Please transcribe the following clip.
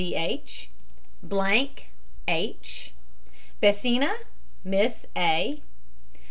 D. H. BLANK, H. BESSINA, MISS A.